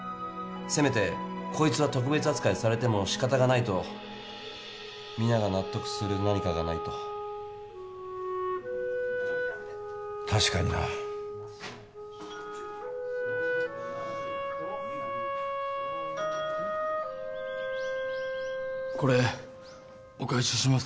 せめてこいつは特別扱いされても仕方がないと皆が納得する何かがないと確かになこれお返しします